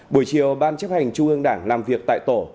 buổi chiều ban chấp hành trung ương đảng làm việc tại tổ